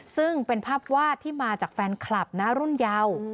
ซึ่งเป็นภาพวาดที่มาจากแฟนคลับนะรุ่นเยา